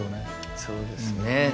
そうですね。